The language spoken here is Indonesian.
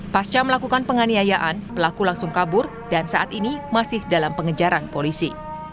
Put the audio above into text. pasca melakukan penganiayaan pelaku langsung kabur dan saat ini masih dalam pengejaran polisi